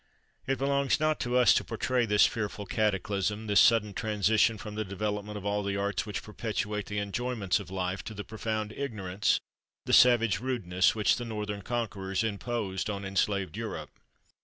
It belongs not to us to portray this fearful cataclysm, this sudden transition from the development of all the arts which perpetuate the enjoyments of life to the profound ignorance, the savage rudeness, which the northern conquerors imposed on enslaved Europe.